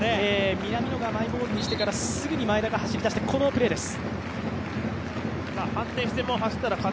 南野がマイボールにしてからすぐに前田が走り出したこのプレーです。